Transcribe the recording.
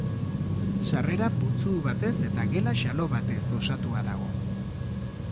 Sarrera putzu batez eta gela xalo batez osatua dago.